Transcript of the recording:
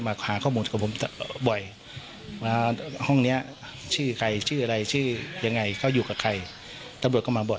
มาหาข้อมูลเกี่ยวกับเรื่องนี้ครับ